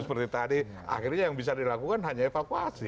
seperti tadi akhirnya yang bisa dilakukan hanya evakuasi